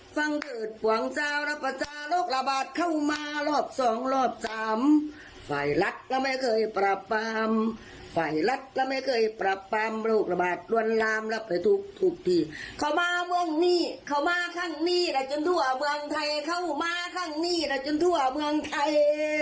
ฟังเกิดห่วงซาวรับประจาโรคระบาดเข้ามารอบสองรอบสามฝ่ายรัฐเราไม่เคยปราบปรามฝ่ายรัฐแล้วไม่เคยปรับปรามโรคระบาดลวนลามรับเลยทุกทุกที่เขามาวงนี้เขามาข้างนี้แหละจนทั่วเมืองไทยเข้ามาข้างนี้แหละจนทั่วเมืองไทย